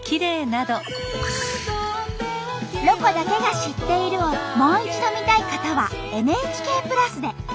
「ロコだけが知っている」をもう一度見たい方はＮＨＫプラスで。